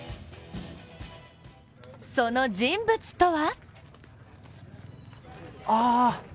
その人物とは？